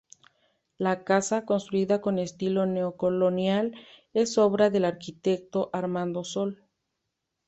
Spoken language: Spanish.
La casa, construida con estilo neo colonial, es obra del arquitecto Armando Sol.